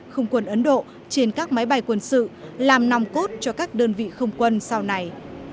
không quân ấn độ trên các máy bay quân sự làm nòng cốt cho các đơn vị không quân sau này